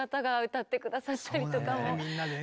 みんなでね